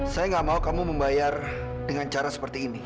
saya nggak mau kamu membayar dengan cara seperti ini